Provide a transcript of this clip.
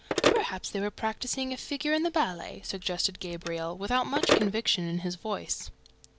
"Perhaps they were practising a figure in the ballet," suggested Gabriel, without much conviction in his voice.